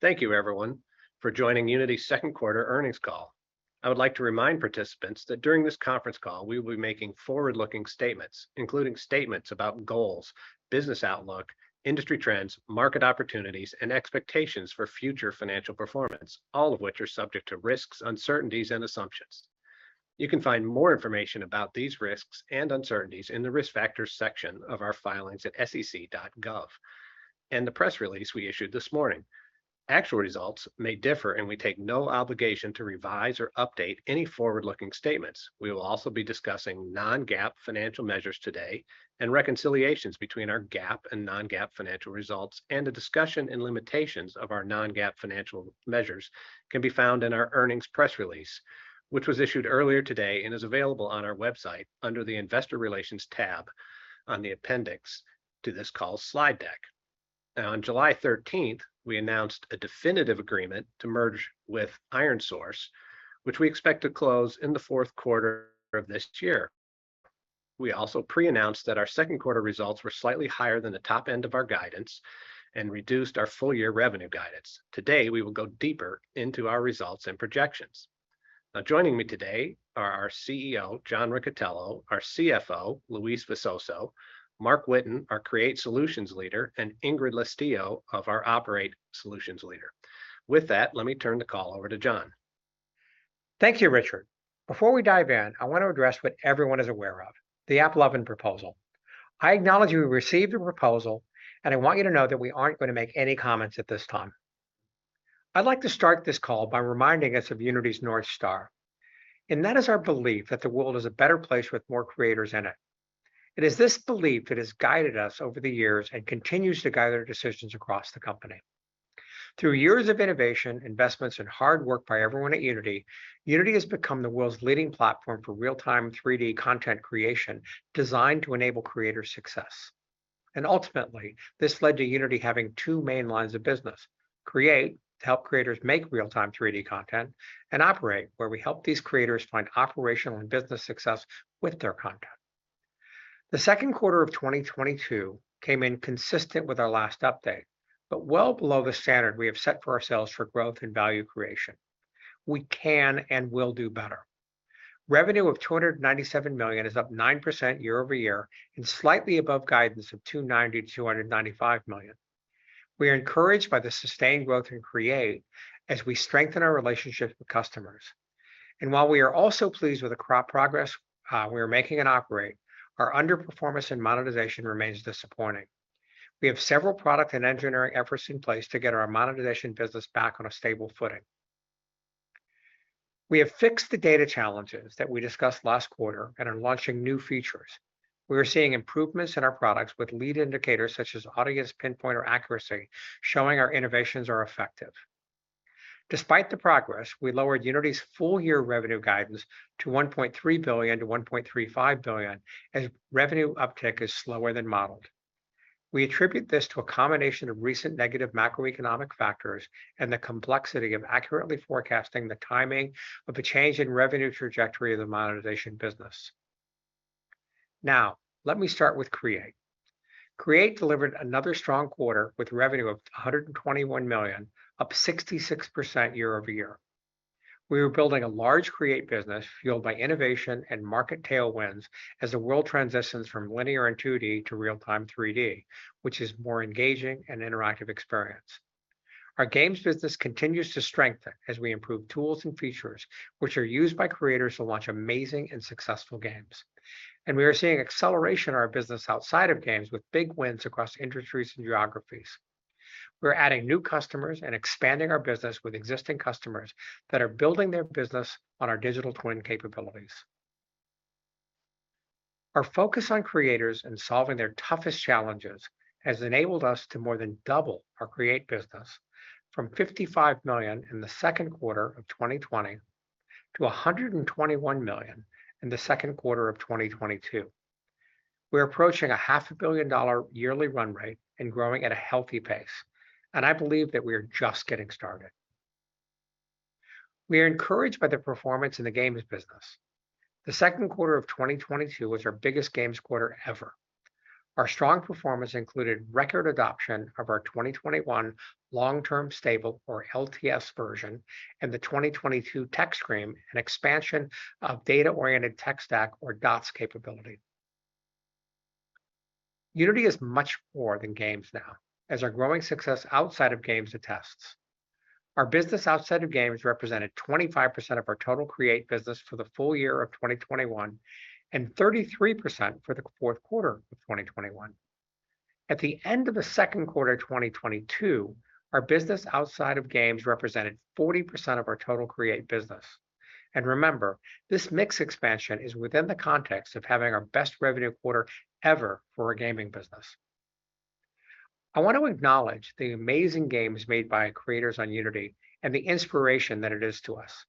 Thank you everyone for joining Unity's second quarter earnings call. I would like to remind participants that during this conference call, we will be making forward-looking statements, including statements about goals, business outlook, industry trends, market opportunities, and expectations for future financial performance, all of which are subject to risks, uncertainties, and assumptions. You can find more information about these risks and uncertainties in the Risk Factors section of our filings at sec.gov and the press release we issued this morning. Actual results may differ, and we take no obligation to revise or update any forward-looking statements. We will also be discussing non-GAAP financial measures today, and reconciliations between our GAAP and non-GAAP financial results and a discussion and limitations of our non-GAAP financial measures can be found in our earnings press release, which was issued earlier today and is available on our website under the Investor Relations tab on the appendix to this call's slide deck. Now, on July thirteenth, we announced a definitive agreement to merge with ironSource, which we expect to close in the fourth quarter of this year. We also pre-announced that our second quarter results were slightly higher than the top end of our guidance and reduced our full year revenue guidance. Today, we will go deeper into our results and projections. Now, joining me today are our CEO, John Riccitiello, our CFO, Luis Visoso, Marc Whitten, our Create Solutions leader, and Ingrid Lestiyo of our Operate Solutions leader. With that, let me turn the call over to John. Thank you, Richard. Before we dive in, I want to address what everyone is aware of, the AppLovin proposal. I acknowledge we received the proposal, and I want you to know that we aren't going to make any comments at this time. I'd like to start this call by reminding us of Unity's North Star, and that is our belief that the world is a better place with more creators in it. It is this belief that has guided us over the years and continues to guide our decisions across the company. Through years of innovation, investments, and hard work by everyone at Unity has become the world's leading platform for real-time, 3D content creation designed to enable creator success. Ultimately, this led to Unity having two main lines of business, Create, to help creators make real-time, 3D content, and Operate, where we help these creators find operational and business success with their content. The second quarter of 2022 came in consistent with our last update, but well below the standard we have set for ourselves for growth and value creation. We can and will do better. Revenue of $297 million is up 9% year-over-year and slightly above guidance of $290 million-$295 million. We are encouraged by the sustained growth in Create as we strengthen our relationships with customers. While we are also pleased with the progress we are making in Operate, our underperformance in monetization remains disappointing. We have several product and engineering efforts in place to get our monetization business back on a stable footing. We have fixed the data challenges that we discussed last quarter and are launching new features. We are seeing improvements in our products with lead indicators such as Audience Pinpointer accuracy showing our innovations are effective. Despite the progress, we lowered Unity's full year revenue guidance to $1.3 billion-$1.35 billion as revenue uptick is slower than modeled. We attribute this to a combination of recent negative macroeconomic factors and the complexity of accurately forecasting the timing of a change in revenue trajectory of the monetization business. Now, let me start with Create. Create delivered another strong quarter with revenue of $121 million, up 66% year-over-year. We are building a large Create business fueled by innovation and market tailwinds as the world transitions from linear and 2D to real-time 3D, which is more engaging and interactive experience. Our games business continues to strengthen as we improve tools and features which are used by creators to launch amazing and successful games. We are seeing acceleration in our business outside of games with big wins across industries and geographies. We're adding new customers and expanding our business with existing customers that are building their business on our digital twin capabilities. Our focus on creators and solving their toughest challenges has enabled us to more than double our Create business from $55 million in the second quarter of 2020 to $121 million in the second quarter of 2022. We're approaching $ half a billion yearly run rate and growing at a healthy pace, and I believe that we are just getting started. We are encouraged by the performance in the games business. The second quarter of 2022 was our biggest games quarter ever. Our strong performance included record adoption of our 2021 long-term stable or LTS version and the 2022 tech stream and expansion of data-oriented tech stack or DOTS capability. Unity is much more than games now, as our growing success outside of games attests. Our business outside of games represented 25% of our total Create business for the full year of 2021, and 33% for the fourth quarter of 2021. At the end of the second quarter of 2022, our business outside of games represented 40% of our total Create business. Remember, this mix expansion is within the context of having our best revenue quarter ever for our gaming business. I want to acknowledge the amazing games made by creators on Unity and the inspiration that it is to us.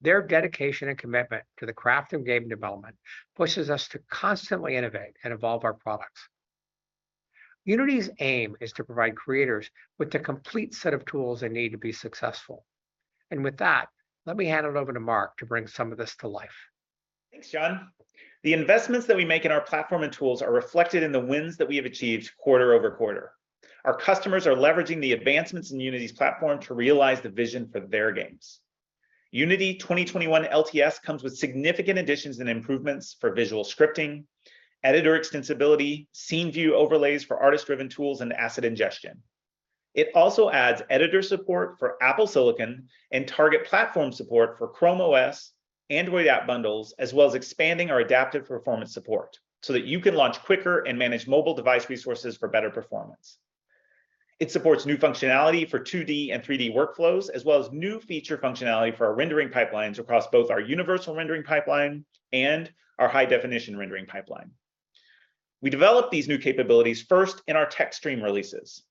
Their dedication and commitment to the craft of game development pushes us to constantly innovate and evolve our products. Unity's aim is to provide creators with the complete set of tools they need to be successful. With that, let me hand it over to Marc to bring some of this to life. Thanks, John. The investments that we make in our platform and tools are reflected in the wins that we have achieved quarter-over-quarter. Our customers are leveraging the advancements in Unity's platform to realize the vision for their games. Unity 2021 LTS comes with signi-icant additions and improvements for visual scripting, editor extensibility, scene view overlays for artist-driven tools, and asset ingestion. It also adds editor support for Apple Silicon and target platform support for ChromeOS, Android app bundles, as well as expanding our adaptive performance support so that you can launch quicker and manage mobile device resources for better performance. It supports new functionality for 2D and 3D workflows, as well as new feature functionality for our rendering pipelines across both our Universal Render Pipeline and our High Definition Render Pipeline. We developed these new capabilities first in our tech stream releases,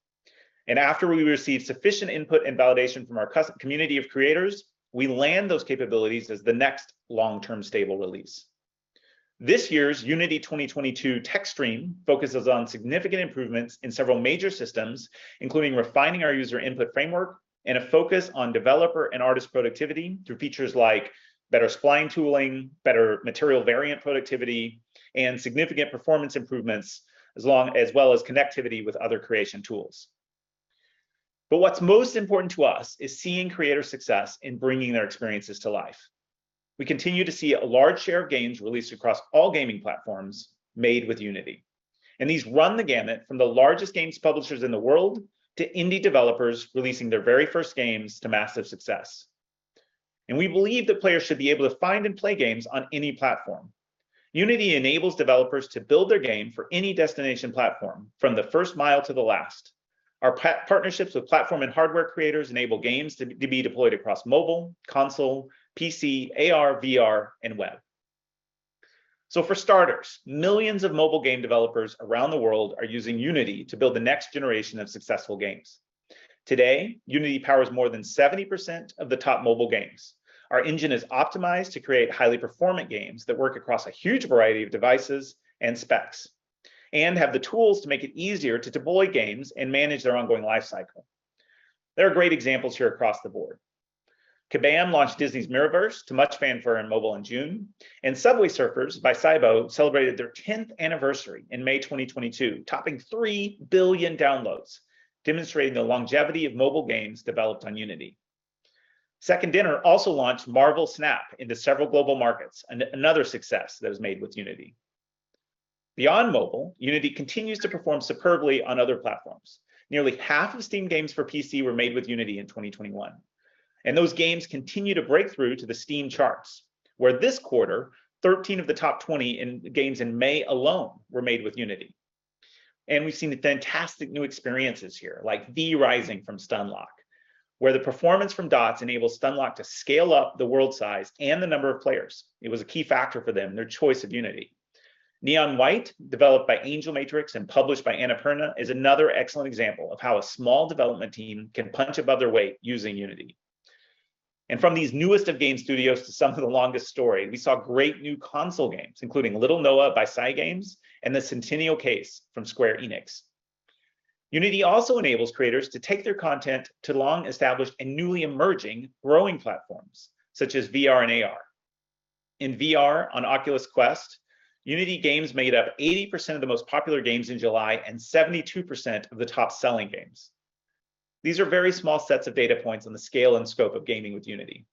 and after we received sufficient input and validation from our community of creators, we land those capabilities as the next long-term stable release. This year's Unity 2022 tech stream focuses on significant improvements in several major systems, including refining our user input framework and a focus on developer and artist productivity through features like better spline tooling, better material variant productivity, and significant performance improvements, as well as connectivity with other creation tools. What's most important to us is seeing creator success in bringing their experiences to life. We continue to see a large share of games released across all gaming platforms made with Unity, and these run the gamut from the largest game publishers in the world to indie developers releasing their very first games to massive success. We believe that players should be able to find and play games on any platform. Unity enables developers to build their game for any destination platform from the first mile to the last. Our partnerships with platform and hardware creators enable games to be deployed across mobile, console, PC, AR, VR, and web. For starters, millions of mobile game developers around the world are using Unity to build the next generation of successful games. Today, Unity powers more than 70% of the top mobile games. Our engine is optimized to create highly performant games that work across a huge variety of devices and specs and have the tools to make it easier to deploy games and manage their ongoing life cycle. There are great examples here across the board. Kabam launched Disney Mirrorverse to much fanfare in mobile in June, and Subway Surfers by SYBO celebrated their tenth anniversary in May 2022, topping 3 billion downloads, demonstrating the longevity of mobile games developed on Unity. Second Dinner also launched Marvel Snap into several global markets, another success that was made with Unity. Beyond mobile, Unity continues to perform superbly on other platforms. Nearly half of Steam games for PC were made with Unity in 2021, and those games continue to break through to the Steam charts, where this quarter, 13 of the top 20 in games in May alone were made with Unity. We've seen fantastic new experiences here, like V Rising from Stunlock, where the performance from DOTS enables Stunlock to scale up the world size and the number of players. It was a key factor for them in their choice of Unity. Neon White, developed by Angel Matrix and published by Annapurna Interactive, is another excellent example of how a small development team can punch above their weight using Unity. From these newest of game studios to some of the longest-standing, we saw great new console games, including Little Noah by Cygames and The Centennial Case from Square Enix. Unity also enables creators to take their content to long-established and newly emerging growing platforms, such as VR and AR. In VR on Oculus Quest, Unity games made up 80% of the most popular games in July and 72% of the top-selling games. These are very small sets of data points on the scale and scope of gaming with Unity.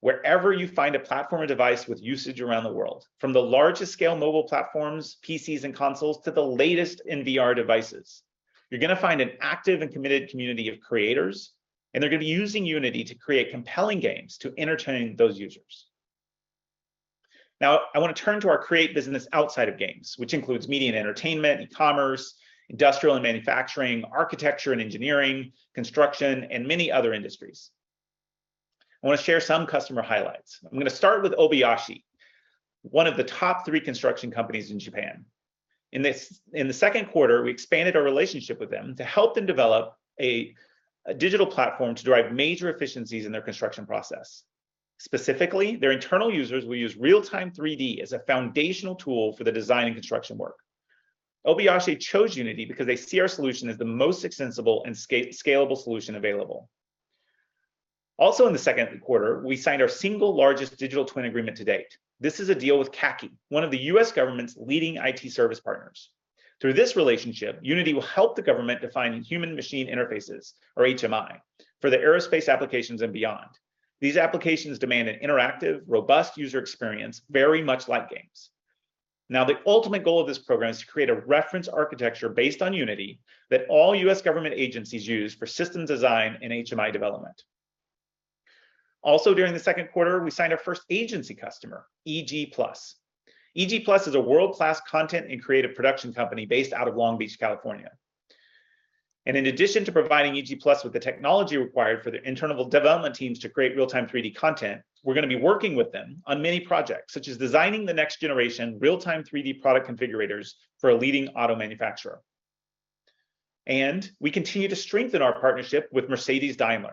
Wherever you find a platform or device with usage around the world, from the largest scale mobile platforms, PCs, and consoles to the latest in VR devices, you're gonna find an active and committed community of creators, and they're gonna be using Unity to create compelling games to entertain those users. Now, I wanna turn to our create business outside of games, which includes media and entertainment, e-commerce, industrial and manufacturing, architecture and engineering, construction, and many other industries. I wanna share some customer highlights. I'm gonna start with Obayashi, one of the top three construction companies in Japan. In the second quarter, we expanded our relationship with them to help them develop a digital platform to drive major efficiencies in their construction process. Specifically, their internal users will use real-time 3D as a foundational tool for the design and construction work. Obayashi chose Unity because they see our solution as the most extensible and scalable solution available. Also in the second quarter, we signed our single largest digital twin agreement to date. This is a deal with CACI, one of the U.S. government's leading IT service partners. Through this relationship, Unity will help the government define human machine interfaces or HMI for the aerospace applications and beyond. These applications demand an interactive, robust user experience very much like games. Now, the ultimate goal of this program is to create a reference architecture based on Unity that all U.S. government agencies use for system design and HMI development. Also during the second quarter, we signed our first agency customer, eg+. eg+ is a world-class content and creative production company based out of Long Beach, California. In addition to providing eg+ worldwide with the technology required for their internal development teams to create real-time 3D content, we're gonna be working with them on many projects, such as designing the next generation real-time 3D product configurators for a leading auto manufacturer. We continue to strengthen our partnership with Mercedes-Benz.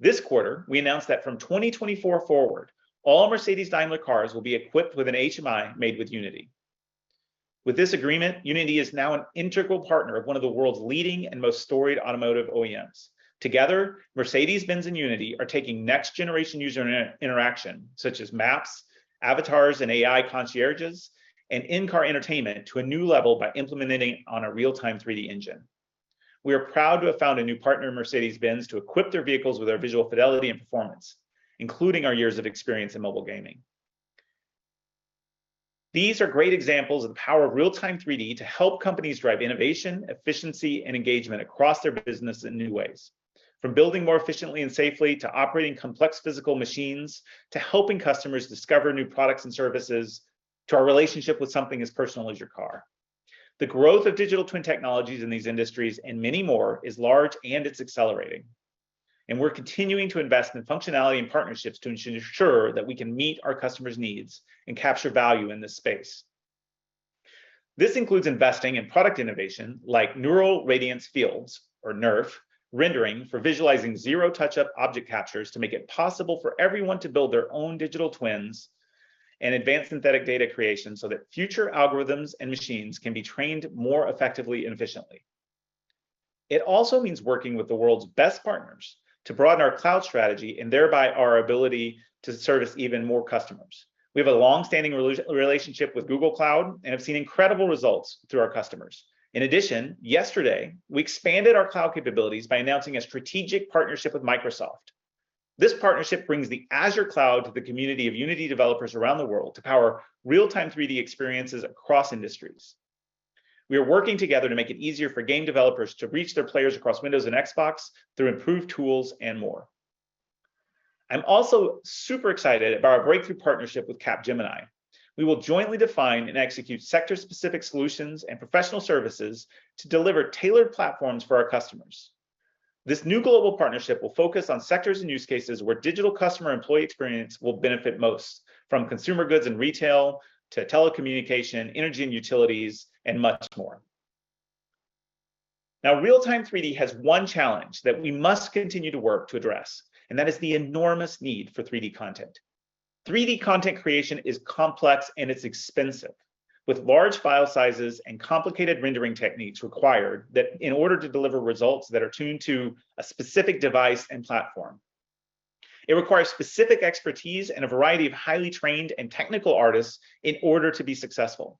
This quarter, we announced that from 2024 forward, all Mercedes-Benz cars will be equipped with an HMI made with Unity. With this agreement, Unity is now an integral partner of one of the world's leading and most storied automotive OEMs. Together, Mercedes-Benz and Unity are taking next-generation user interaction, such as maps, avatars, and AI concierges and in-car entertainment to a new level by implementing on a real-time 3D engine. We are proud to have found a new partner in Mercedes-Benz to equip their vehicles with our visual fidelity and performance, including our years of experience in mobile gaming. These are great examples of the power of real-time 3D to help companies drive innovation, efficiency, and engagement across their business in new ways. From building more efficiently and safely to operating complex physical machines, to helping customers discover new products and services, to our relationship with something as personal as your car. The growth of digital twin technologies in these industries and many more is large and it's accelerating, and we're continuing to invest in functionality and partnerships to ensure that we can meet our customers' needs and capture value in this space. This includes investing in product innovation like neural radiance fields or NeRF rendering for visualizing zero touch-up object captures to make it possible for everyone to build their own digital twins and advanced synthetic data creation so that future algorithms and machines can be trained more effectively and efficiently. It also means working with the world's best partners to broaden our cloud strategy and thereby our ability to service even more customers. We have a long-standing relationship with Google Cloud and have seen incredible results through our customers. In addition, yesterday, we expanded our cloud capabilities by announcing a strategic partnership with Microsoft. This partnership brings the Azure Cloud to the community of Unity developers around the world to power real-time 3D experiences across industries. We are working together to make it easier for game developers to reach their players across Windows and Xbox through improved tools and more. I'm also super excited about our breakthrough partnership with Capgemini. We will jointly define and execute sector-specific solutions and professional services to deliver tailored platforms for our customers. This new global partnership will focus on sectors and use cases where digital customer employee experience will benefit most, from consumer goods and retail to telecommunication, energy and utilities, and much more. Now, real-time 3D has one challenge that we must continue to work to address, and that is the enormous need for 3D content. 3D content creation is complex and it's expensive, with large file sizes and complicated rendering techniques required in order to deliver results that are tuned to a specific device and platform. It requires specific expertise and a variety of highly trained and technical artists in order to be successful.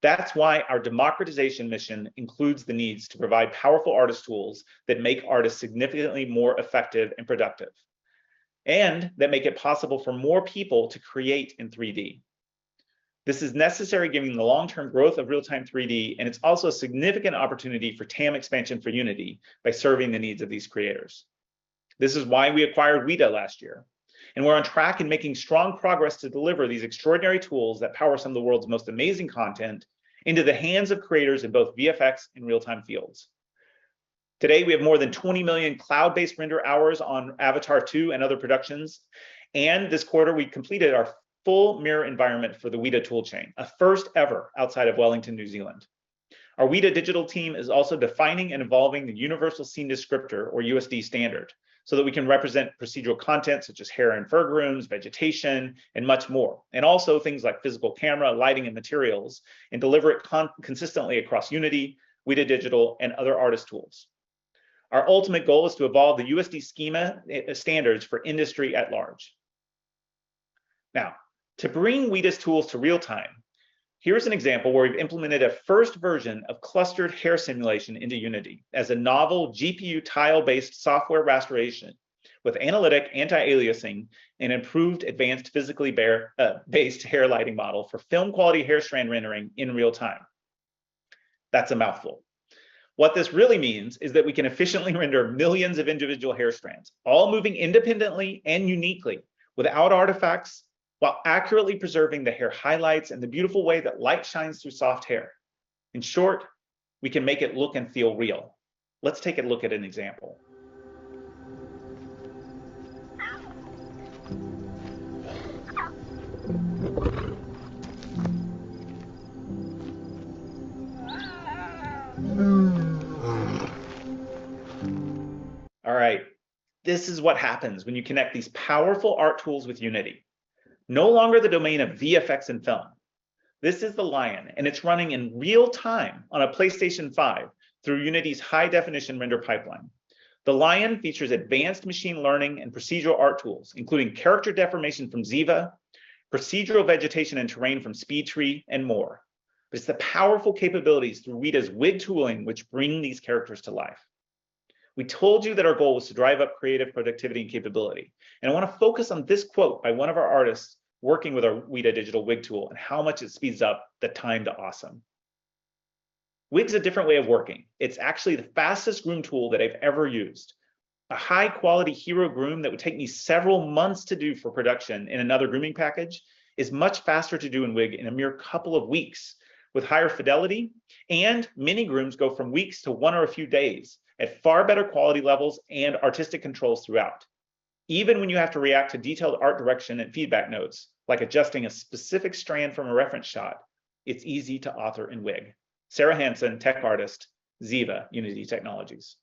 That's why our democratization mission includes the needs to provide powerful artist tools that make artists significantly more effective and productive, and that make it possible for more people to create in 3D. This is necessary given the long-term growth of real-time 3D, and it's also a significant opportunity for TAM expansion for Unity by serving the needs of these creators. This is why we acquired Wētā last year, and we're on track and making strong progress to deliver these extraordinary tools that power some of the world's most amazing content into the hands of creators in both VFX and real-time fields. Today, we have more than 20 million cloud-based render hours on Avatar 2 and other productions, and this quarter, we completed our full mirror environment for the Wētā tool chain, a first ever outside of Wellington, New Zealand. Our Wētā Digital team is also defining and evolving the Universal Scene Description or USD standard so that we can represent procedural content such as hair and fur grooms, vegetation, and much more, and also things like physical camera, lighting and materials, and deliver it consistently across Unity, Wētā Digital, and other artist tools. Our ultimate goal is to evolve the USD schema standards for industry at large. Now, to bring Wētā's tools to real time, here's an example where we've implemented a first version of clustered hair simulation into Unity as a novel GPU tile-based software restoration with analytic anti-aliasing and improved advanced physically based hair lighting model for film quality hair strand rendering in real time. That's a mouthful. What this really means is that we can efficiently render millions of individual hair strands, all moving independently and uniquely without artifacts, while accurately preserving the hair highlights and the beautiful way that light shines through soft hair. In short, we can make it look and feel real. Let's take a look at an example. All right, this is what happens when you connect these powerful art tools with Unity, no longer the domain of VFX and film. This is the lion, and it's running in real time on a PlayStation 5 through Unity's High Definition Render Pipeline. The lion features advanced machine learning and procedural art tools, including character deformation from Ziva, procedural vegetation and terrain from SpeedTree, and more. It's the powerful capabilities through Wētā's Wig tooling which bring these characters to life. We told you that our goal was to drive up creative productivity and capability, and I wanna focus on this quote by one of our artists working with our Wētā Digital Wig tool and how much it speeds up the time to awesome. "Wig's a different way of working. It's actually the fastest groom tool that I've ever used. A high-quality hero groom that would take me several months to do for production in another grooming package is much faster to do in Wig in a mere couple of weeks with higher fidelity, and mini grooms go from weeks to one or a few days at far better quality levels and artistic controls throughout. Even when you have to react to detailed art direction and feedback notes, like adjusting a specific strand from a reference shot, it's easy to author in Wig. Sarah Hanson, Tech Artist, Ziva, Unity Technologies.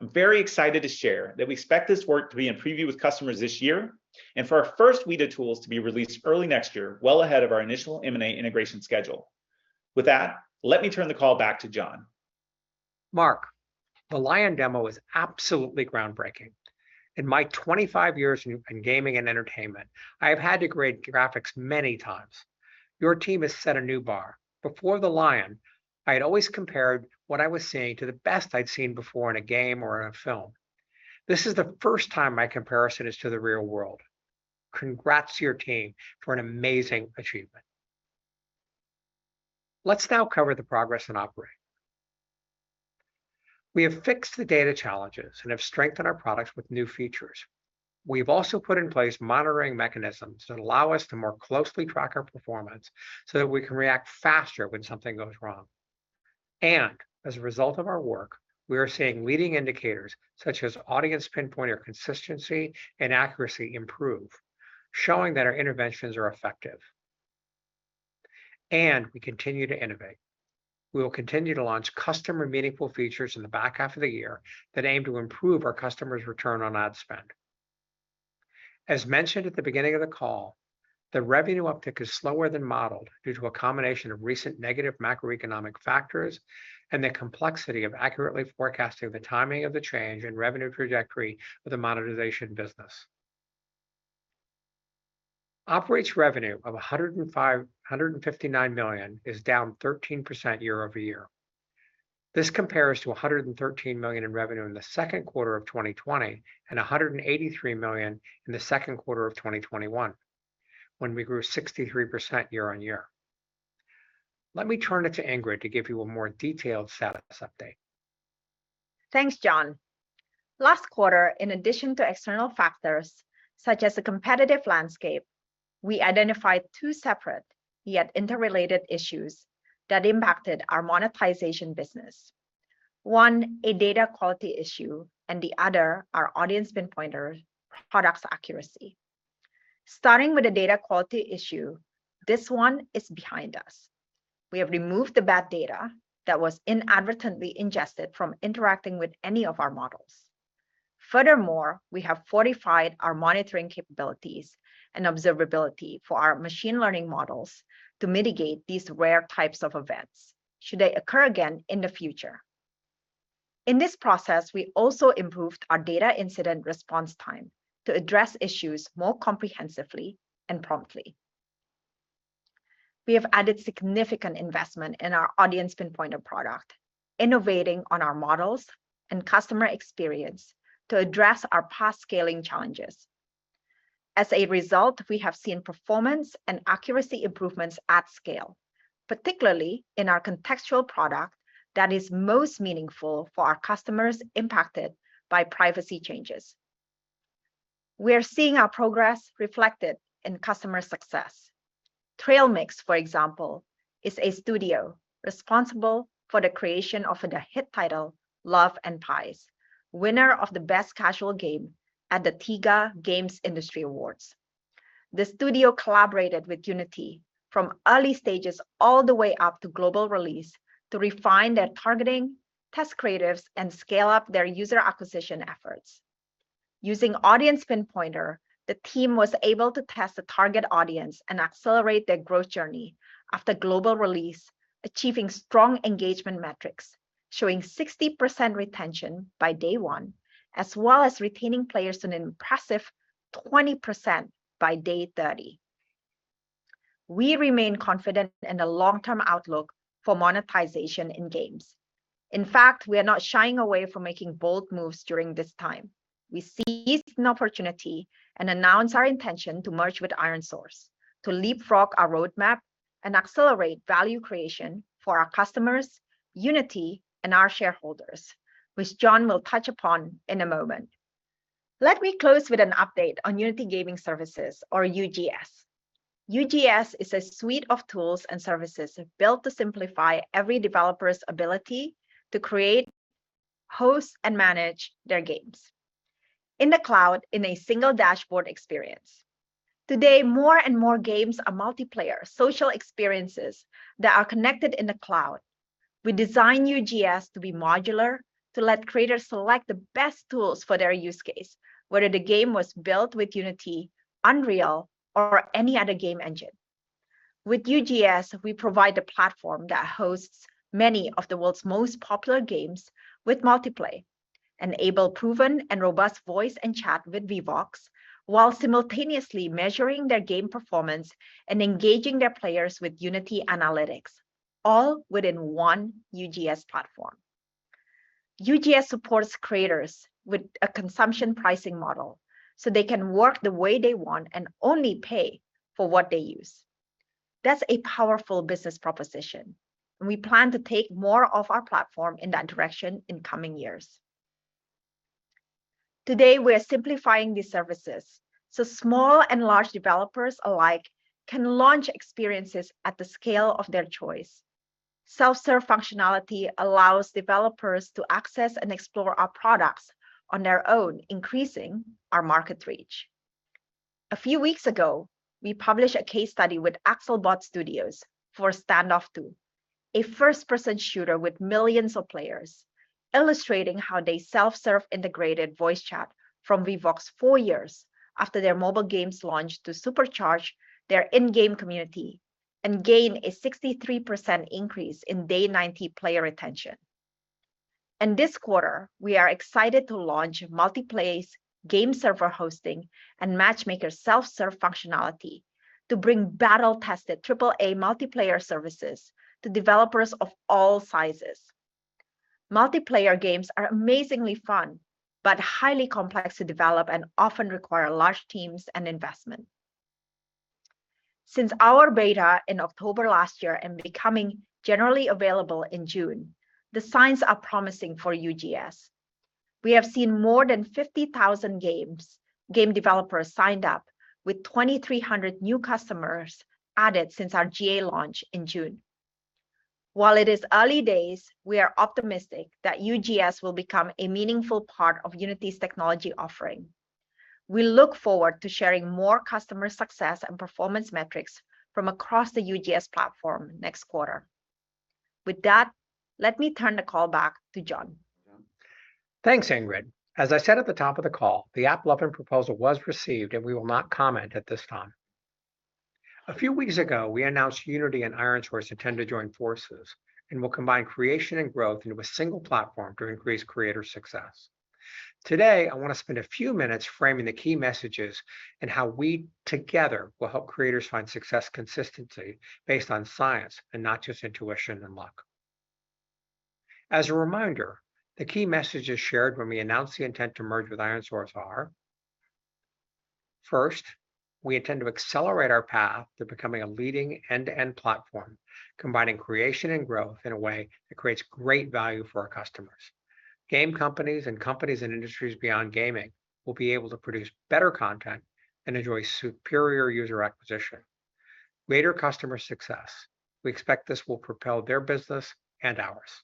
I'm very excited to share that we expect this work to be in preview with customers this year and for our first suite of tools to be released early next year, well ahead of our initial M&A integration schedule. With that, let me turn the call back to John. Marc, the Lion demo is absolutely groundbreaking. In my 25 years in gaming and entertainment, I have had to grade graphics many times. Your team has set a new bar. Before the Lion, I had always compared what I was seeing to the best I'd seen before in a game or in a film. This is the first time my comparison is to the real world. Congrats to your team for an amazing achievement. Let's now cover the progress in Operate. We have fixed the data challenges and have strengthened our products with new features. We've also put in place monitoring mechanisms that allow us to more closely track our performance so that we can react faster when something goes wrong. As a result of our work, we are seeing leading indicators such as Audience Pinpointer consistency and accuracy improve, showing that our interventions are effective. We continue to innovate. We will continue to launch customer meaningful features in the back half of the year that aim to improve our customers' return on ad spend. As mentioned at the beginning of the call, the revenue uptick is slower than modeled due to a combination of recent negative macroeconomic factors and the complexity of accurately forecasting the timing of the change in revenue trajectory of the monetization business. Operate's revenue of $159 million is down 13% year-over-year. This compares to $113 million in revenue in the second quarter of 2020 and $183 million in the second quarter of 2021, when we grew 63% year-over-year. Let me turn it over to Ingrid to give you a more detailed status update. Thanks, John. Last quarter, in addition to external factors such as the competitive landscape, we identified two separate yet interrelated issues that impacted our monetization business. One, a data quality issue, and the other, our Audience Pinpointer product's accuracy. Starting with the data quality issue, this one is behind us. We have removed the bad data that was inadvertently ingested from interacting with any of our models. Furthermore, we have fortified our monitoring capabilities and observability for our machine learning models to mitigate these rare types of events should they occur again in the future. In this process, we also improved our data incident response time to address issues more comprehensively and promptly. We have added significant investment in our Audience Pinpointer product, innovating on our models and customer experience to address our past scaling challenges. As a result, we have seen performance and accuracy improvements at scale, particularly in our contextual product that is most meaningful for our customers impacted by privacy changes. We are seeing our progress reflected in customer success. Trailmix, for example, is a studio responsible for the creation of the hit title Love and Pies, winner of the Best Casual Game at the TIGA Games Industry Awards. The studio collaborated with Unity from early stages all the way up to global release to refine their targeting, test creatives, and scale up their user acquisition efforts. Using Audience Pinpointer, the team was able to test the target audience and accelerate their growth journey after global release, achieving strong engagement metrics, showing 60% retention by day one, as well as retaining players an impressive 20% by day thirty. We remain confident in the long-term outlook for monetization in games. In fact, we are not shying away from making bold moves during this time. We seized an opportunity and announced our intention to merge with ironSource to leapfrog our roadmap and accelerate value creation for our customers, Unity, and our shareholders, which John will touch upon in a moment. Let me close with an update on Unity Gaming Services or UGS. UGS is a suite of tools and services built to simplify every developer's ability to create, host, and manage their games in the cloud in a single dashboard experience. Today, more and more games are multiplayer social experiences that are connected in the cloud. We designed UGS to be modular, to let creators select the best tools for their use case, whether the game was built with Unity, Unreal, or any other game engine. With UGS, we provide a platform that hosts many of the world's most popular games with Multiplay, enable proven and robust voice and chat with Vivox, while simultaneously measuring their game performance and engaging their players with Unity Analytics, all within one UGS platform. UGS supports creators with a consumption pricing model, so they can work the way they want and only pay for what they use. That's a powerful business proposition, and we plan to take more of our platform in that direction in coming years. Today, we are simplifying these services so small and large developers alike can launch experiences at the scale of their choice. Self-serve functionality allows developers to access and explore our products on their own, increasing our market reach. A few weeks ago, we published a case study with Axlebolt for Standoff 2, a first-person shooter with millions of players, illustrating how they self-serve integrated voice chat from Vivox 4 years after their mobile games launched to supercharge their in-game community and gain a 63% increase in day 90 player retention. In this quarter, we are excited to launch Multiplay game server hosting and matchmaker self-serve functionality to bring battle-tested AAA multiplayer services to developers of all sizes. Multiplayer games are amazingly fun, but highly complex to develop and often require large teams and investment. Since our beta in October last year and becoming generally available in June, the signs are promising for UGS. We have seen more than 50,000 game developers signed up with 2,300 new customers added since our GA launch in June. While it is early days, we are optimistic that UGS will become a meaningful part of Unity's technology offering. We look forward to sharing more customer success and performance metrics from across the UGS platform next quarter. With that, let me turn the call back to John. Thanks, Ingrid. As I said at the top of the call, the AppLovin proposal was received, and we will not comment at this time. A few weeks ago, we announced Unity and ironSource intend to join forces and will combine creation and growth into a single platform to increase creator success. Today, I want to spend a few minutes framing the key messages and how we together will help creators find success consistency based on science and not just intuition and luck. As a reminder, the key messages shared when we announced the intent to merge with ironSource are, first, we intend to accelerate our path to becoming a leading end-to-end platform, combining creation and growth in a way that creates great value for our customers. Game companies and companies in industries beyond gaming will be able to produce better content and enjoy superior user acquisition. Greater customer success. We expect this will propel their business and ours.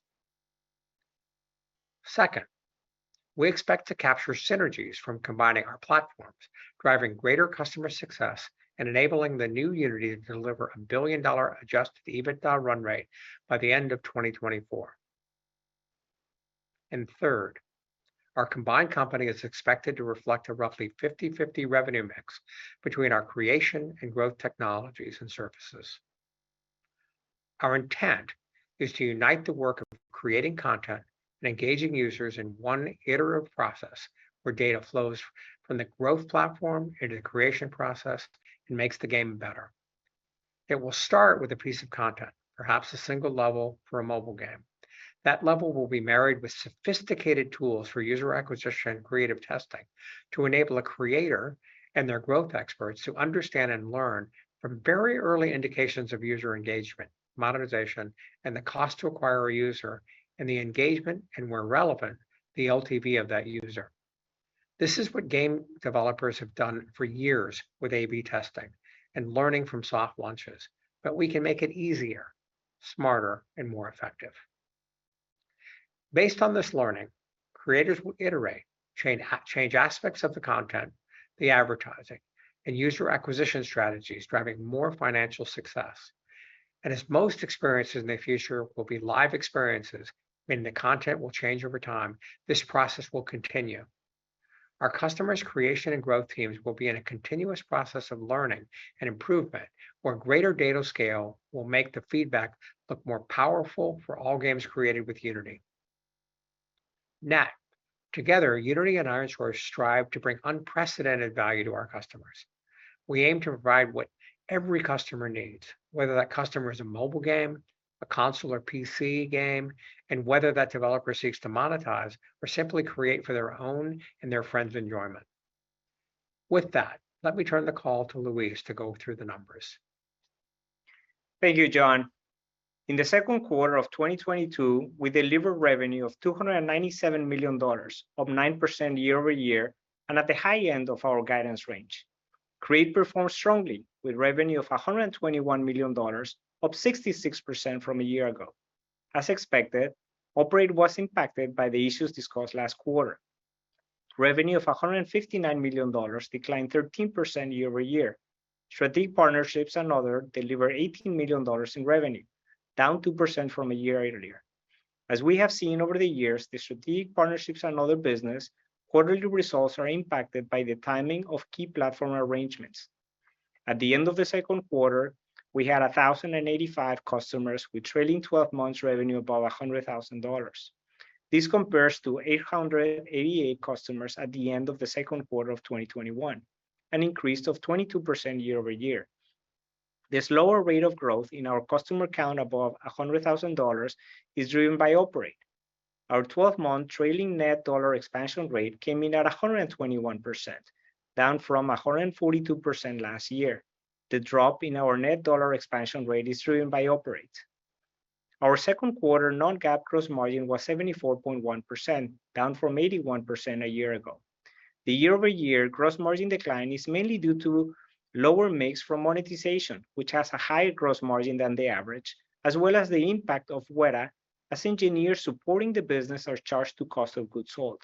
Second, we expect to capture synergies from combining our platforms, driving greater customer success and enabling the new Unity to deliver a billion-dollar adjusted EBITDA run rate by the end of 2024. Third, our combined company is expected to reflect a roughly 50/50 revenue mix between our creation and growth technologies and services. Our intent is to unite the work of creating content and engaging users in one iterative process where data flows from the growth platform into the creation process and makes the game better. It will start with a piece of content, perhaps a single level for a mobile game. That level will be married with sophisticated tools for user acquisition and creative testing to enable a creator and their growth experts to understand and learn from very early indications of user engagement, monetization, and the cost to acquire a user, and where relevant, the LTV of that user. This is what game developers have done for years with A/B testing and learning from soft launches, but we can make it easier, smarter, and more effective. Based on this learning, creators will iterate, change aspects of the content, the advertising, and user acquisition strategies, driving more financial success. As most experiences in the future will be live experiences, meaning the content will change over time, this process will continue. Our customers' creation and growth teams will be in a continuous process of learning and improvement, where greater data scale will make the feedback look more powerful for all games created with Unity. In net, together, Unity and ironSource strive to bring unprecedented value to our customers. We aim to provide what every customer needs, whether that customer is a mobile game, a console or PC game, and whether that developer seeks to monetize or simply create for their own and their friends' enjoyment. With that, let me turn the call to Luis to go through the numbers. Thank you, John. In the second quarter of 2022, we delivered revenue of $297 million, up 9% year-over-year and at the high end of our guidance range. Create performed strongly, with revenue of $121 million, up 66% from a year ago. As expected, Operate was impacted by the issues discussed last quarter. Revenue of $159 million declined 13% year-over-year. Strategic Partnerships and Other delivered $18 million in revenue, down 2% from a year earlier. As we have seen over the years, the Strategic Partnerships and Other business quarterly results are impacted by the timing of key platform arrangements. At the end of the second quarter, we had 1,085 customers with trailing twelve months revenue above $100,000. This compares to 888 customers at the end of the second quarter of 2021, an increase of 22% year-over-year. The slower rate of growth in our customer count above $100,000 is driven by Operate. Our twelve-month trailing net dollar expansion rate came in at 121%, down from 142% last year. The drop in our net dollar expansion rate is driven by Operate. Our second quarter non-GAAP gross margin was 74.1%, down from 81% a year ago. The year-over-year gross margin decline is mainly due to lower mix from monetization, which has a higher gross margin than the average, as well as the impact of Wētā's engineers supporting the business are charged to cost of goods sold.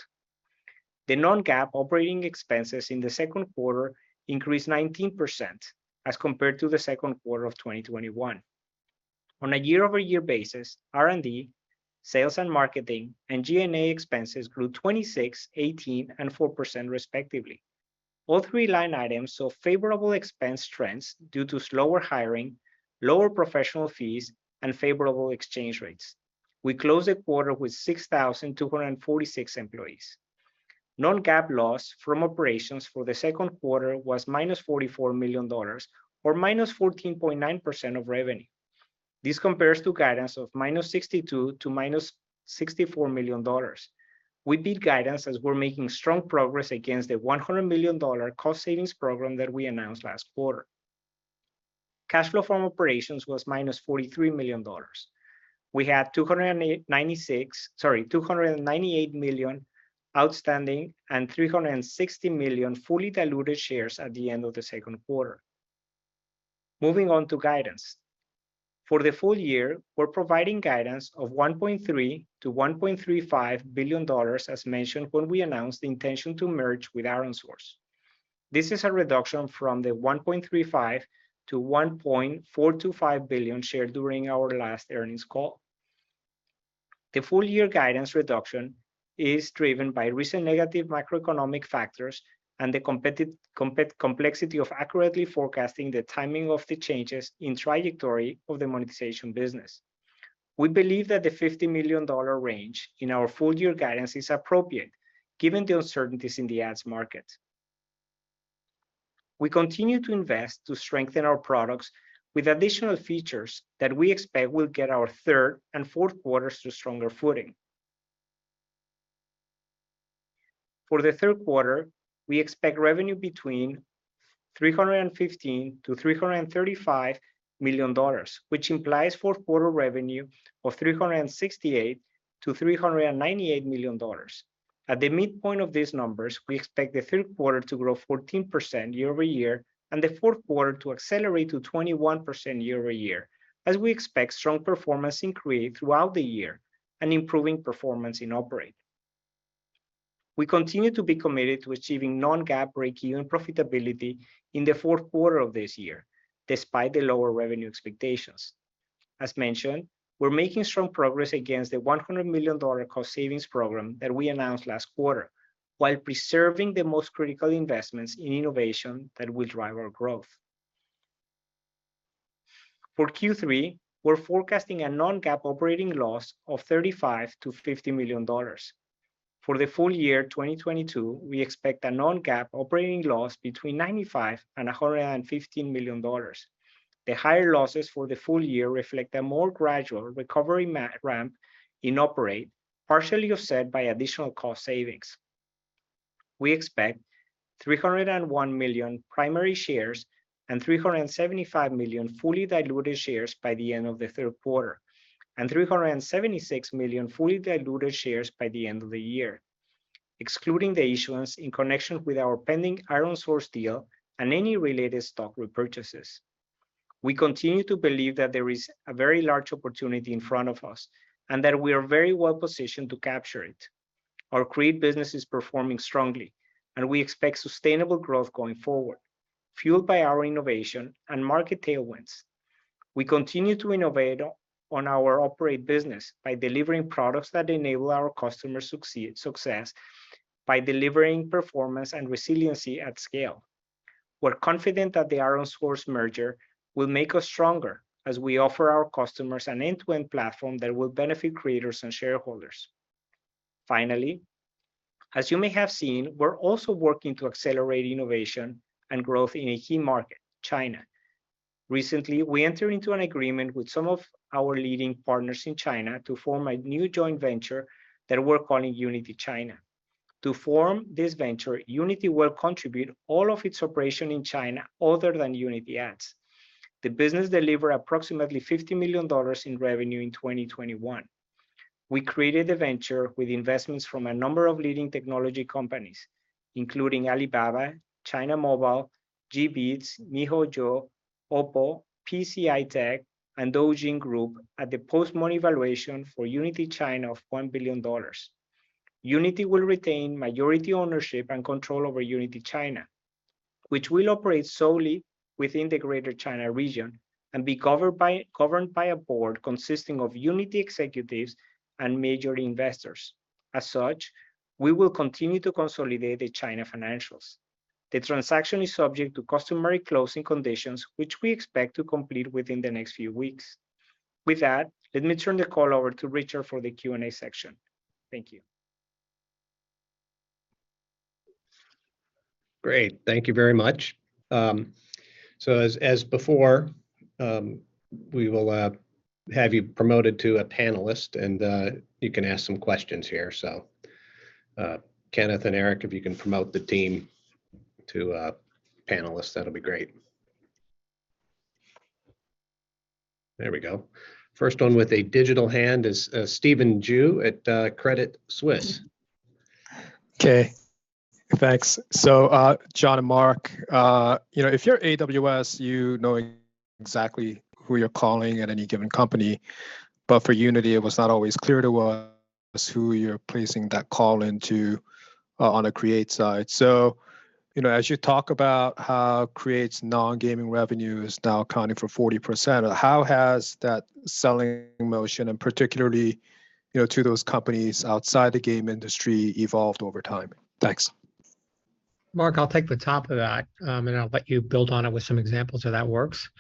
The non-GAAP operating expenses in the second quarter increased 19% as compared to the second quarter of 2021. On a year-over-year basis, R&D, sales and marketing, and G&A expenses grew 26%, 18%, and 4% respectively. All three line items saw favorable expense trends due to slower hiring, lower professional fees, and favorable exchange rates. We closed the quarter with 6,246 employees. Non-GAAP loss from operations for the second quarter was -$44 million, or -14.9% of revenue. This compares to guidance of -$62 million to -$64 million. We beat guidance as we're making strong progress against the $100 million cost savings program that we announced last quarter. Cash flow from operations was -$43 million. We had 296, sorry, 298 million outstanding and 360 million fully diluted shares at the end of the second quarter. Moving on to guidance. For the full year, we're providing guidance of $1.3 billion-$1.35 billion as mentioned when we announced the intention to merge with ironSource. This is a reduction from the $1.35 billion-$1.425 billion shared during our last earnings call. The full year guidance reduction is driven by recent negative macroeconomic factors and the complexity of accurately forecasting the timing of the changes in trajectory of the monetization business. We believe that the $50 million range in our full year guidance is appropriate given the uncertainties in the ads market. We continue to invest to strengthen our products with additional features that we expect will get our third and fourth quarters to stronger footing. For the third quarter, we expect revenue between $315 million-$335 million, which implies fourth quarter revenue of $368 million-$398 million. At the midpoint of these numbers, we expect the third quarter to grow 14% year-over-year, and the fourth quarter to accelerate to 21% year-over-year, as we expect strong performance in Create throughout the year and improving performance in Operate. We continue to be committed to achieving non-GAAP breakeven profitability in the fourth quarter of this year, despite the lower revenue expectations. As mentioned, we're making strong progress against the $100 million cost savings program that we announced last quarter, while preserving the most critical investments in innovation that will drive our growth. For Q3, we're forecasting a non-GAAP operating loss of $35 million-$50 million. For the full year 2022, we expect a non-GAAP operating loss between $95 million and $115 million. The higher losses for the full year reflect a more gradual recovery ramp in Operate, partially offset by additional cost savings. We expect 301 million primary shares and 375 million fully diluted shares by the end of the third quarter, and 376 million fully diluted shares by the end of the year, excluding the issuance in connection with our pending ironSource deal and any related stock repurchases. We continue to believe that there is a very large opportunity in front of us and that we are very well positioned to capture it. Our Create business is performing strongly, and we expect sustainable growth going forward, fueled by our innovation and market tailwinds. We continue to innovate on our Operate business by delivering products that enable our customers' success by delivering performance and resiliency at scale. We're confident that the ironSource merger will make us stronger as we offer our customers an end-to-end platform that will benefit creators and shareholders. Finally, as you may have seen, we're also working to accelerate innovation and growth in a key market, China. Recently, we entered into an agreement with some of our leading partners in China to form a new joint venture that we're calling Unity China. To form this venture, Unity will contribute all of its operation in China other than Unity Ads. The business deliver approximately $50 million in revenue in 2021. We created the venture with investments from a number of leading technology companies, including Alibaba, China Mobile, G-bits, miHoYo, OPPO, PCI Technology Group, and Douyin Group at the post-money valuation for Unity China of $1 billion. Unity will retain majority ownership and control over Unity China, which will operate solely within the Greater China region and governed by a board consisting of Unity executives and major investors. As such, we will continue to consolidate the China financials. The transaction is subject to customary closing conditions, which we expect to complete within the next few weeks. With that, let me turn the call over to Richard for the Q&A section. Thank you. Great. Thank you very much. As before, we will have you promoted to a panelist and you can ask some questions here. Kenneth and Eric, if you can promote the team to panelists, that'll be great. There we go. First one with a digital hand is Stephen Ju at Credit Suisse. Okay. Thanks. John and Marc, you know, if you're AWS, you knowing exactly who you're calling at any given company. For Unity, it was not always clear to us who you're placing that call into on a Create side. You know, as you talk about how Create's non-gaming revenue is now accounting for 40%, how has that selling motion, and particularly, you know, to those companies outside the game industry, evolved over time? Thanks. Marc, I'll take the top of that, and I'll let you build on it with some examples if that works.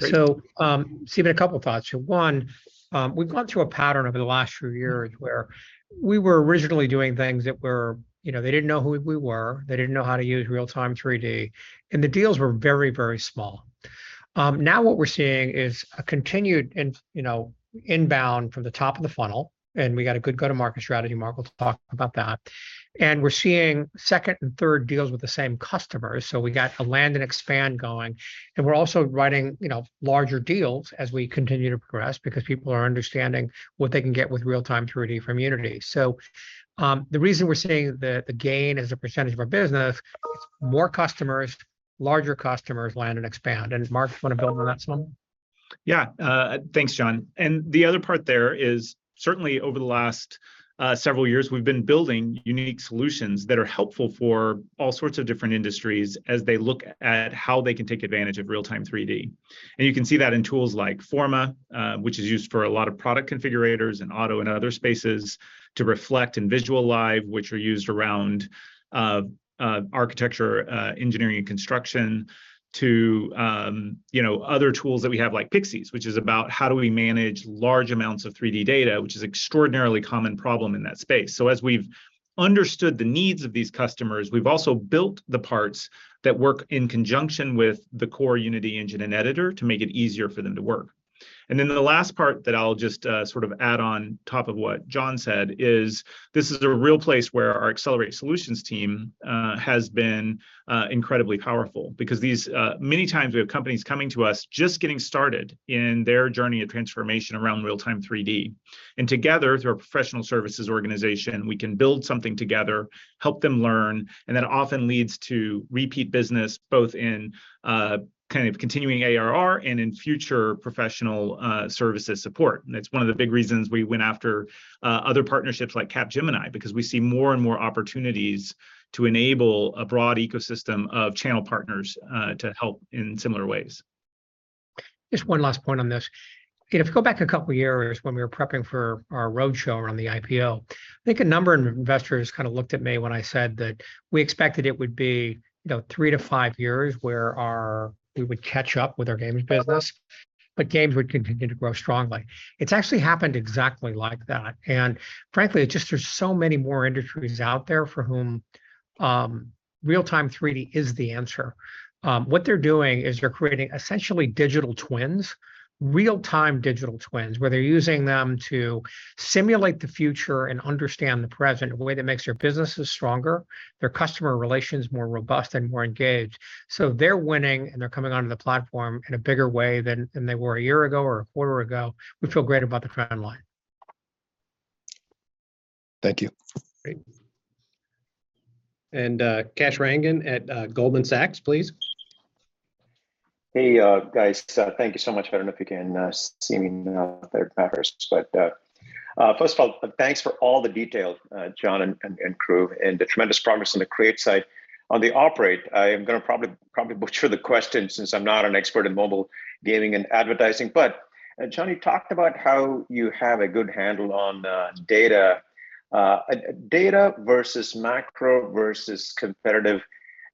Great. Stephen, a couple thoughts here. One, we've gone through a pattern over the last few years where we were originally doing things that were, you know, they didn't know who we were, they didn't know how to use real-time 3D, and the deals were very, very small. Now what we're seeing is a continued inbound from the top of the funnel, and we got a good go-to-market strategy. Marc will talk about that. We're seeing second and third deals with the same customers, so we got a land and expand going. We're also writing, you know, larger deals as we continue to progress because people are understanding what they can get with real-time 3D from Unity. The reason we're seeing the gain as a percentage of our business, more customers, larger customers, land and expand. Does Marc wanna build on that some? Yeah. Thanks, John. The other part there is certainly over the last several years we've been building unique solutions that are helpful for all sorts of different industries as they look at how they can take advantage of real-time 3D. You can see that in tools like Forma, which is used for a lot of product configurators in auto and other spaces, Reflect, and VisualLive, which are used around architecture, engineering and construction to other tools that we have like Pixyz, which is about how do we manage large amounts of 3D data, which is extraordinarily common problem in that space. As we've understood the needs of these customers, we've also built the parts that work in conjunction with the core Unity engine and editor to make it easier for them to work. Then the last part that I'll just sort of add on top of what John said is this is a real place where our accelerated solutions team has been incredibly powerful, because these many times we have companies coming to us just getting started in their journey of transformation around real-time 3D. Together, through our professional services organization, we can build something together, help them learn, and that often leads to repeat business both in kind of continuing ARR and in future professional services support. It's one of the big reasons we went after other partnerships like Capgemini because we see more and more opportunities to enable a broad ecosystem of channel partners to help in similar ways. Just one last point on this. You know, if you go back a couple years when we were prepping for our roadshow around the IPO, I think a number of investors kind of looked at me when I said that we expected it would be, you know, 3-5 years where our, we would catch up with our games business, but games would continue to grow strongly. It's actually happened exactly like that. Frankly, it just, there's so many more industries out there for whom real-time 3D is the answer. What they're doing is they're creating essentially digital twins, real-time digital twins, where they're using them to simulate the future and understand the present in a way that makes their businesses stronger, their customer relations more robust and more engaged. They're winning and they're coming onto the platform in a bigger way than they were a year ago or a quarter ago. We feel great about the trend line. Thank you. Great. Kash Rangan at Goldman Sachs, please. Hey, guys. Thank you so much. I don't know if you can see me now, if that matters. First of all, thanks for all the detail, John and crew, and the tremendous progress on the create side. On the operate, I am gonna probably butcher the question since I'm not an expert in mobile gaming and advertising. John, you talked about how you have a good handle on data. Data versus macro versus competitive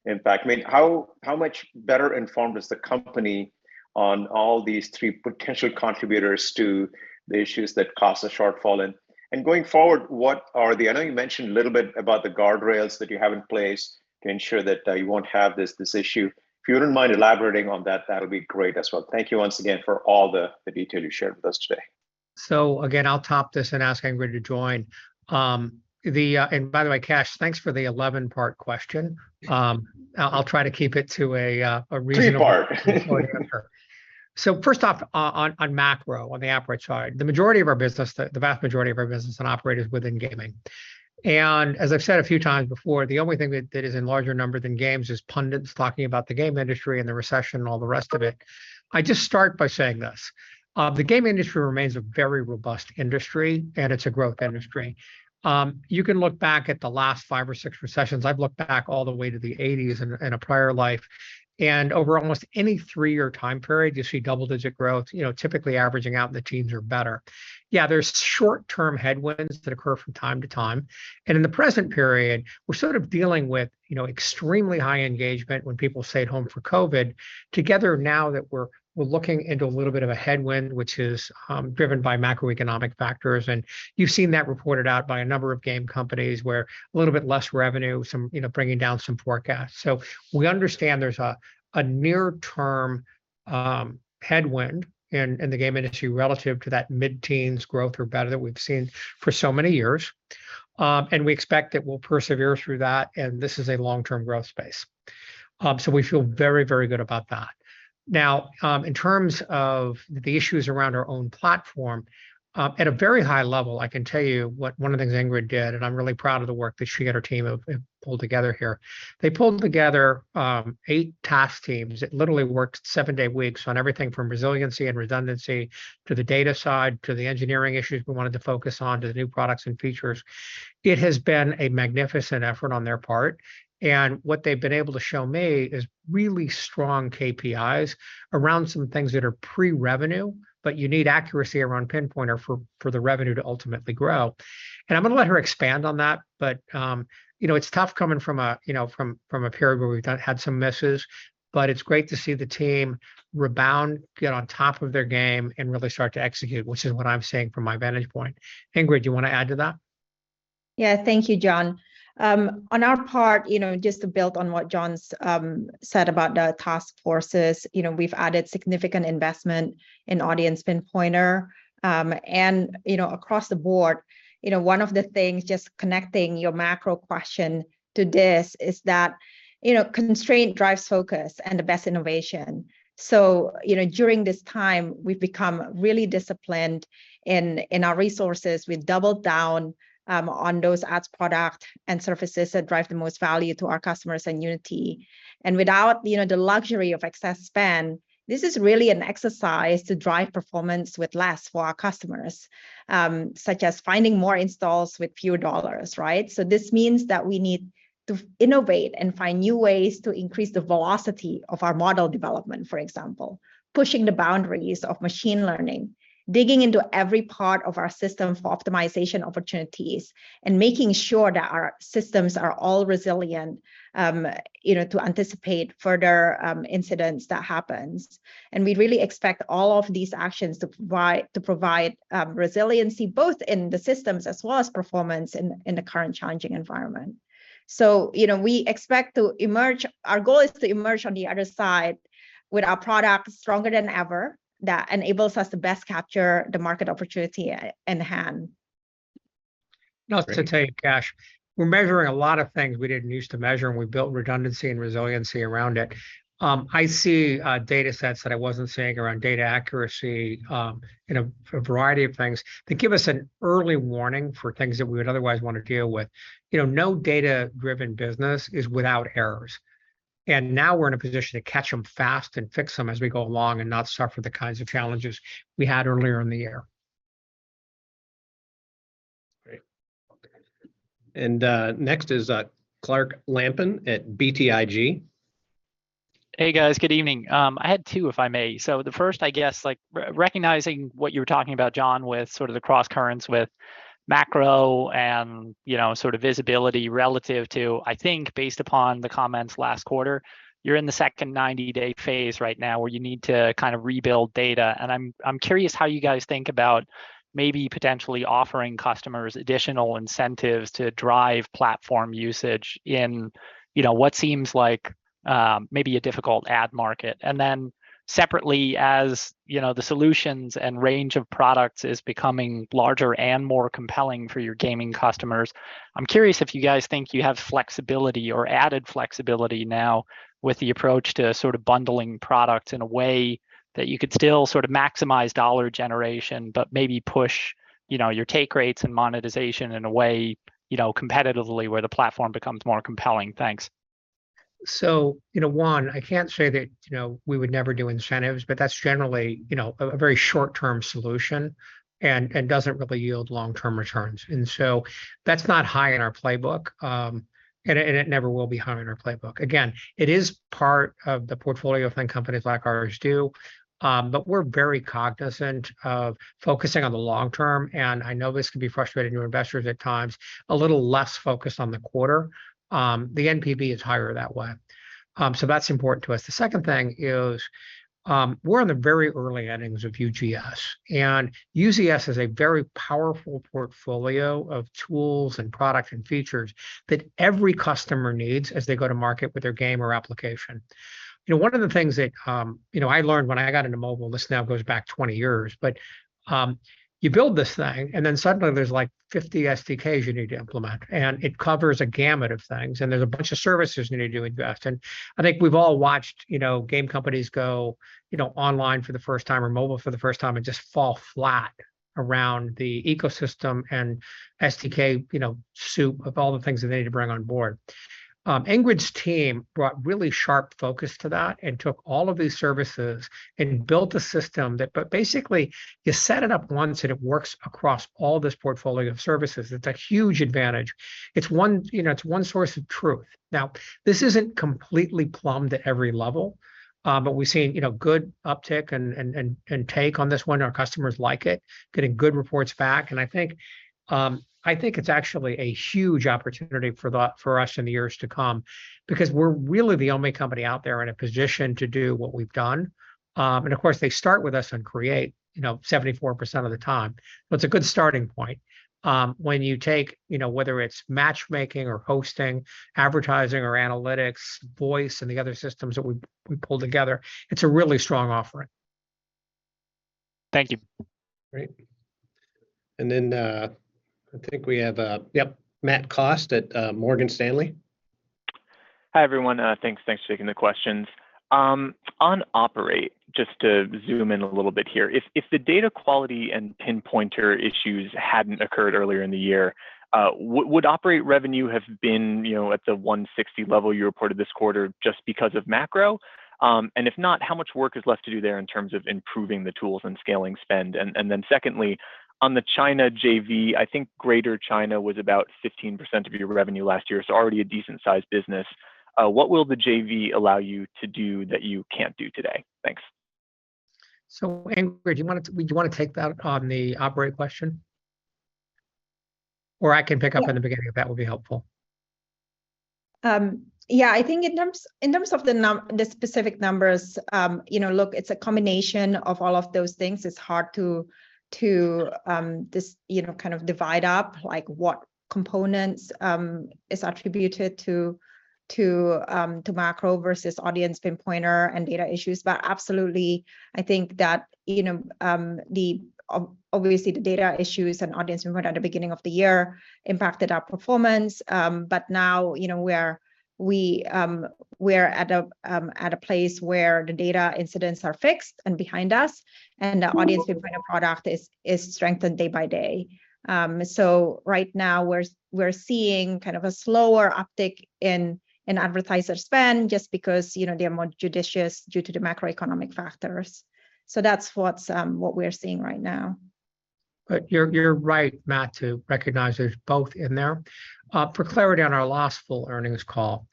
impact, I mean, how much better informed is the company on all these three potential contributors to the issues that cause a shortfall? Going forward, what are the guardrails that you have in place to ensure that you won't have this issue. I know you mentioned a little bit about them. If you wouldn't mind elaborating on that'll be great as well. Thank you once again for all the detail you shared with us today. Again, I'll wrap this and ask Ingrid to join. By the way, Kash, thanks for the 11-part question. I'll try to keep it to a reasonable 3 part. First off, on macro, on the operate side, the majority of our business, the vast majority of our business on operate is within gaming. As I've said a few times before, the only thing that is in larger number than games is pundits talking about the game industry and the recession and all the rest of it. I just start by saying this, the game industry remains a very robust industry, and it's a growth industry. You can look back at the last five or six recessions. I've looked back all the way to the eighties in a prior life, and over almost any three-year time period, you see double-digit growth, you know, typically averaging out in the teens or better. Yeah, there's short-term headwinds that occur from time to time, and in the present period, we're sort of dealing with, you know, extremely high engagement when people stayed home for COVID. Together now that we're looking into a little bit of a headwind, which is driven by macroeconomic factors. You've seen that reported out by a number of game companies where a little bit less revenue, some, you know, bringing down some forecasts. We understand there's a near-term headwind in the game industry relative to that mid-teens growth or better that we've seen for so many years. We expect that we'll persevere through that, and this is a long-term growth space. We feel very, very good about that. Now, in terms of the issues around our own platform, at a very high level, I can tell you what one of the things Ingrid did, and I'm really proud of the work that she and her team have pulled together here. They pulled together eight task teams that literally worked seven-day weeks on everything from resiliency and redundancy to the data side, to the engineering issues we wanted to focus on, to the new products and features. It has been a magnificent effort on their part, and what they've been able to show me is really strong KPIs around some things that are pre-revenue, but you need accuracy around Pinpointer for the revenue to ultimately grow. I'm gonna let her expand on that, but, you know, it's tough coming from a period where we had some misses, but it's great to see the team rebound, get on top of their game, and really start to execute, which is what I'm seeing from my vantage point. Ingrid, do you wanna add to that? Yeah, thank you, John. On our part, you know, just to build on what John's said about the task forces, you know, we've added significant investment in Audience Pinpointer, and, you know, across the board. You know, one of the things just connecting your macro question to this is that, you know, constraint drives focus and the best innovation. During this time, we've become really disciplined in our resources. We've doubled down on those ads product and services that drive the most value to our customers and Unity. Without, you know, the luxury of excess spend, this is really an exercise to drive performance with less for our customers, such as finding more installs with fewer dollars, right? This means that we need to innovate and find new ways to increase the velocity of our model development, for example. Pushing the boundaries of machine learning, digging into every part of our system for optimization opportunities and making sure that our systems are all resilient, you know, to anticipate further incidents that happens. We really expect all of these actions to provide resiliency, both in the systems as well as performance in the current challenging environment. You know, we expect to emerge. Our goal is to emerge on the other side with our product stronger than ever that enables us to best capture the market opportunity at hand. Great. Now to take Kash, we're measuring a lot of things we didn't use to measure, and we built redundancy and resiliency around it. I see data sets that I wasn't seeing around data accuracy in a variety of things that give us an early warning for things that we would otherwise want to deal with. You know, no data-driven business is without errors. Now we're in a position to catch them fast and fix them as we go along and not suffer the kinds of challenges we had earlier in the year. Great. Next is Clark Lampen at BTIG. Hey, guys. Good evening. I had two, if I may. The first, I guess, like recognizing what you were talking about, John, with sort of the cross currents with macro and, you know, sort of visibility relative to, I think based upon the comments last quarter, you're in the second 90-day phase right now where you need to kind of rebuild data. I'm curious how you guys think about maybe potentially offering customers additional incentives to drive platform usage in, you know, what seems like maybe a difficult ad market. Then separately, as you know, the solutions and range of products is becoming larger and more compelling for your gaming customers. I'm curious if you guys think you have flexibility or added flexibility now with the approach to sort of bundling products in a way that you could still sort of maximize dollar generation, but maybe push, you know, your take rates and monetization in a way, you know, competitively where the platform becomes more compelling. Thanks. You know, one, I can't say that, you know, we would never do incentives, but that's generally, you know, a very short-term solution and doesn't really yield long-term returns. That's not high in our playbook, and it never will be high in our playbook. Again, it is part of the portfolio thing companies like ours do, but we're very cognizant of focusing on the long term, and I know this can be frustrating to investors at times, a little less focused on the quarter. The NPV is higher that way. That's important to us. The second thing is, we're in the very early innings of UGS, and UGS is a very powerful portfolio of tools and products and features that every customer needs as they go to market with their game or application. You know, one of the things that, you know, I learned when I got into mobile, this now goes back 20 years, but you build this thing, and then suddenly there's like 50 SDKs you need to implement, and it covers a gamut of things, and there's a bunch of services you need to invest in. I think we've all watched, you know, game companies go, you know, online for the first time or mobile for the first time and just fall flat around the ecosystem and SDK, you know, soup of all the things that they need to bring on board. Ingrid's team brought really sharp focus to that and took all of these services and built a system. But basically you set it up once, and it works across all this portfolio of services. It's a huge advantage. It's one, you know, it's one source of truth. Now, this isn't completely plumbed at every level, but we've seen, you know, good uptick and take on this one. Our customers like it, getting good reports back, and I think it's actually a huge opportunity for us in the years to come because we're really the only company out there in a position to do what we've done. Of course, they start with us and create, you know, 74% of the time, but it's a good starting point. When you take, you know, whether it's matchmaking or hosting, advertising or analytics, voice and the other systems that we pull together, it's a really strong offering. Thank you. Great. I think we have, yep, Matthew Cost at Morgan Stanley. Hi, everyone. Thanks for taking the questions. On Operate, just to zoom in a little bit here. If the data quality and Audience Pinpointer issues hadn't occurred earlier in the year, would Operate revenue have been, you know, at the $160 million level you reported this quarter just because of macro? If not, how much work is left to do there in terms of improving the tools and scaling spend? Then secondly, on the China JV, I think Greater China was about 15% of your revenue last year, so already a decent-sized business. What will the JV allow you to do that you can't do today? Thanks. Ingrid, do you wanna take that on the Operate question? Or I can pick up in the beginning if that would be helpful. Yeah, I think in terms of the specific numbers, you know, look, it's a combination of all of those things. It's hard to you know kind of divide up, like, what components is attributed to macro versus Audience Pinpointer and data issues. Absolutely, I think that, you know, obviously, the data issues and Audience Pinpointer at the beginning of the year impacted our performance. Now, you know, we're at a place where the data incidents are fixed and behind us, and our audience- Mm-hmm Pinpointer product is strengthened day by day. Right now we're seeing kind of a slower uptick in advertiser spend just because, you know, they are more judicious due to the macroeconomic factors. That's what we're seeing right now. You're right, Matt, to recognize there's both in there. For clarity on our last full earnings call,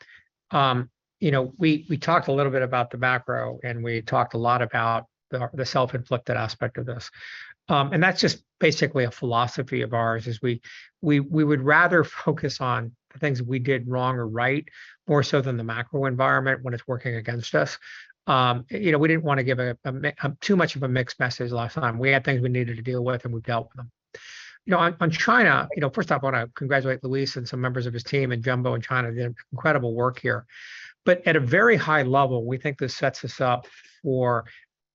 you know, we talked a little bit about the macro, and we talked a lot about the self-inflicted aspect of this. That's just basically a philosophy of ours, is we would rather focus on the things we did wrong or right more so than the macro environment when it's working against us. You know, we didn't wanna give too much of a mixed message last time. We had things we needed to deal with, and we dealt with them. You know, on China, you know, first I wanna congratulate Luis and some members of his team and Jumbo in China. They've done incredible work here. At a very high level, we think this sets us up for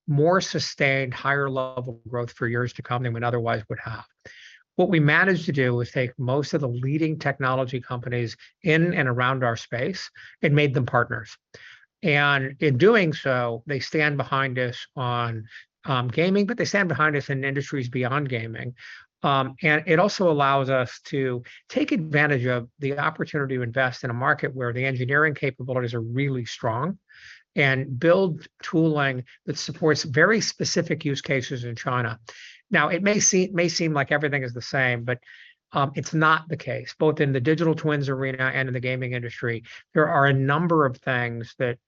more sustained higher level growth for years to come than we otherwise would have. What we managed to do was take most of the leading technology companies in and around our space and made them partners. In doing so, they stand behind us on gaming, but they stand behind us in industries beyond gaming. It also allows us to take advantage of the opportunity to invest in a market where the engineering capabilities are really strong and build tooling that supports very specific use cases in China. Now, it may seem like everything is the same, but it's not the case. Both in the Digital Twins arena and in the gaming industry, there are a number of things that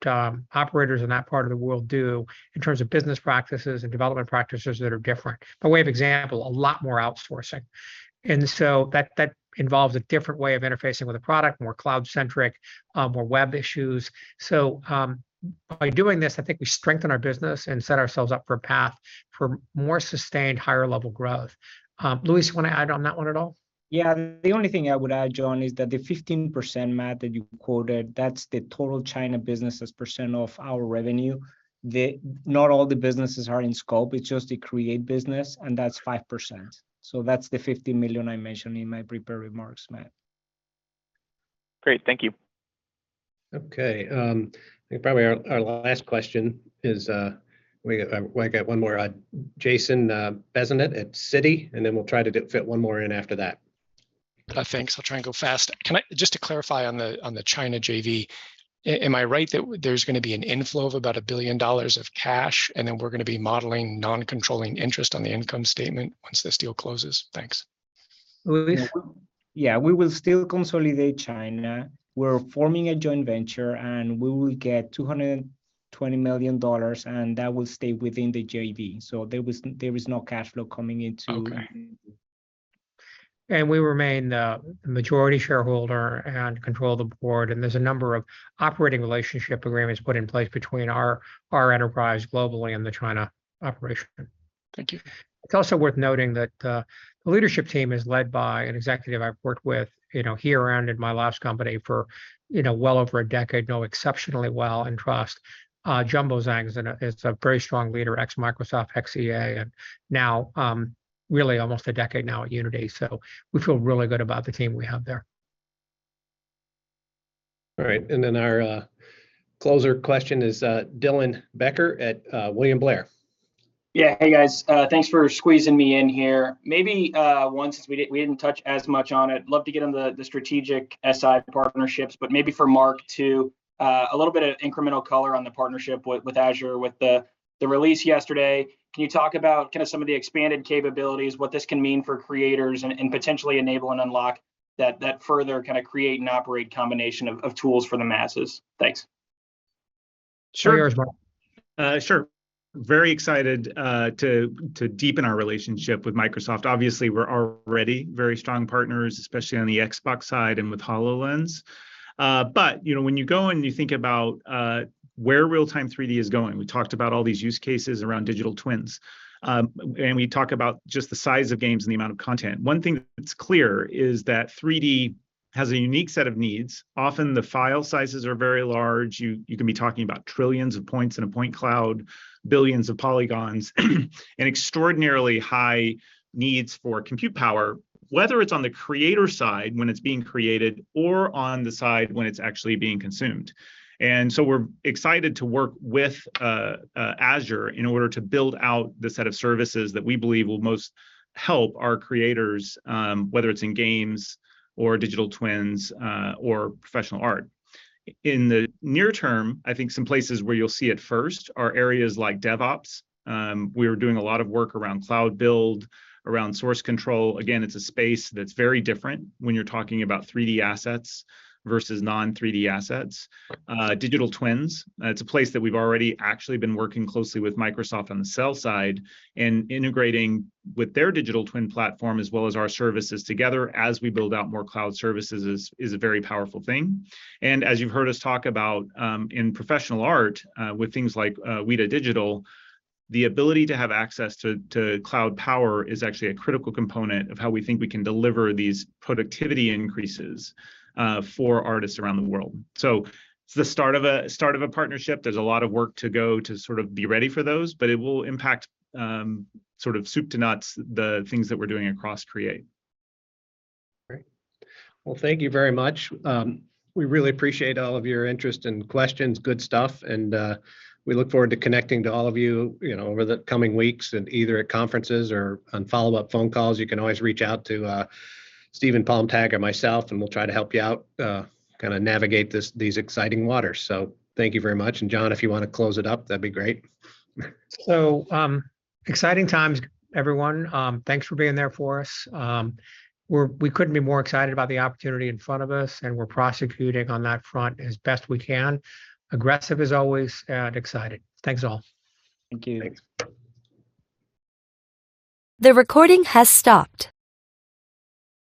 operators in that part of the world do in terms of business practices and development practices that are different. By way of example, a lot more outsourcing. That involves a different way of interfacing with the product, more cloud-centric, more web issues. By doing this, I think we strengthen our business and set ourselves up for a path for more sustained higher level growth. Luis, you wanna add on that one at all? Yeah. The only thing I would add, John, is that the 15%, Matt, that you quoted, that's the total China business as percent of our revenue. Not all the businesses are in scope. It's just the Create business, and that's 5%, so that's the $50 million I mentioned in my prepared remarks, Matt. Great. Thank you. Okay. I think probably our last question is. We'll get one more. Jason Bazinet at Citi, and then we'll try to fit one more in after that. Thanks. I'll try and go fast. Just to clarify on the China JV, am I right that there's gonna be an inflow of about $1 billion of cash, and then we're gonna be modeling non-controlling interest on the income statement once this deal closes? Thanks. Luis? Yeah. We will still consolidate China. We're forming a joint venture, and we will get $220 million, and that will stay within the JV. There is no cash flow coming into- Okay the JV. We remain the majority shareholder and control the board, and there's a number of operating relationship agreements put in place between our enterprise globally and the China operation. Thank you. It's also worth noting that the leadership team is led by an executive I've worked with. You know, he ran my last company for, you know, well over a decade I know exceptionally well and trust. Junbo Zhang is a very strong leader, ex-Microsoft, ex-EA, and now really almost a decade now at Unity. We feel really good about the team we have there. All right. Our closer question is Dylan Becker at William Blair. Yeah. Hey, guys. Thanks for squeezing me in here. Maybe one, since we didn't touch as much on it, love to get into the strategic SI partnerships, but maybe for Marc Whitten too, a little bit of incremental color on the partnership with Azure, with the release yesterday. Can you talk about kinda some of the expanded capabilities, what this can mean for creators and potentially enable and unlock that further kinda create and operate combination of tools for the masses? Thanks. Sure. All yours, Marc. Sure. Very excited to deepen our relationship with Microsoft. Obviously, we're already very strong partners, especially on the Xbox side and with HoloLens. You know, when you go and you think about where real-time 3D is going, we talked about all these use cases around Digital Twins, and we talk about just the size of games and the amount of content. One thing that's clear is that 3D has a unique set of needs. Often, the file sizes are very large. You can be talking about trillions of points in a point cloud, billions of polygons and extraordinarily high needs for compute power, whether it's on the creator side when it's being created or on the side when it's actually being consumed. We're excited to work with Azure in order to build out the set of services that we believe will most help our creators, whether it's in games or Digital Twins, or professional art. In the near term, I think some places where you'll see it first are areas like DevOps. We're doing a lot of work around cloud build, around source control. Again, it's a space that's very different when you're talking about 3D assets versus non-3D assets. Digital Twins, it's a place that we've already actually been working closely with Microsoft on the sell side and integrating with their Digital Twin platform as well as our services together as we build out more cloud services is a very powerful thing. As you've heard us talk about in professional art with things like Wētā Digital, the ability to have access to cloud power is actually a critical component of how we think we can deliver these productivity increases for artists around the world. It's the start of a partnership. There's a lot of work to go to sort of be ready for those, but it will impact sort of soup to nuts the things that we're doing across Create. Great. Well, thank you very much. We really appreciate all of your interest and questions. Good stuff. We look forward to connecting to all of you know, over the coming weeks, and either at conferences or on follow-up phone calls. You can always reach out to Stephen Palmtag or myself, and we'll try to help you out, kinda navigate this, these exciting waters. Thank you very much. John, if you wanna close it up, that'd be great. Exciting times, everyone. Thanks for being there for us. We couldn't be more excited about the opportunity in front of us, and we're prosecuting on that front as best we can. Aggressive as always and excited. Thanks, all. Thank you. Thanks. The recording has stopped.